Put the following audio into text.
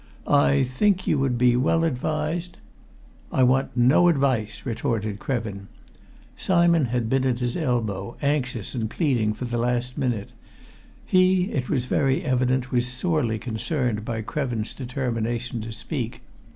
"I think you would be well advised " "I want no advice!" retorted Krevin. Simon had been at his elbow, anxious and pleading, for the last minute: he, it was very evident, was sorely concerned by Krevin's determination to speak.